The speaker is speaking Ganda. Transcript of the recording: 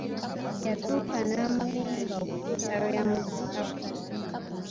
Yatuuka n'amulimba okutuusa lwe yamuddukako.